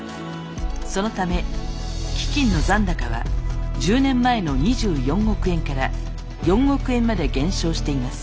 そのため基金の残高は１０年前の２４億円から４億円まで減少しています。